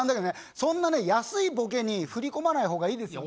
そんなね安いボケに振り込まない方がいいですよね。